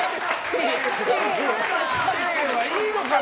いいのかな？